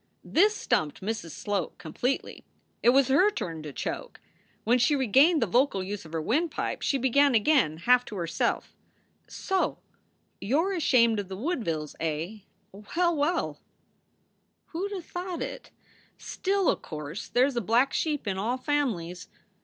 This stumped Mrs. Sloat completely. It was her turn to choke. When she regained the vocal use of her windpipe she began again, half to herself: "So you re ashamed of the Woodvilles, eh? Well, well! SOULS FOR SALE 113 Who d V thought it? Still, o course, there s a black sheep in all families.